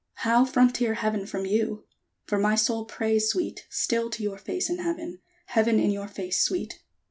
How frontier Heaven from you? For my soul prays, Sweet, Still to your face in Heaven, Heaven in your face, Sweet!